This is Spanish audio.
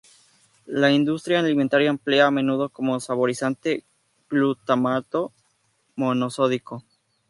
La industria alimentaria emplea a menudo como saborizante glutamato monosódico.